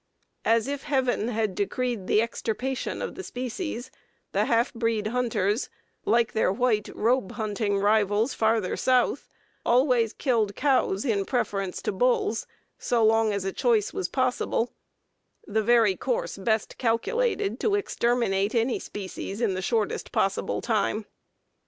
As if Heaven had decreed the extirpation of the species, the half breed hunters, like their white robe hunting rivals farther south, always killed cows in preference to bulls so long as a choice was possible, the very course best calculated to exterminate any species in the shortest possible time.